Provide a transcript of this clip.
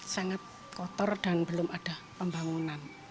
sangat kotor dan belum ada pembangunan